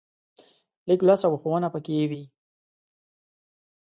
لیک لوست او ښوونه پکې وي.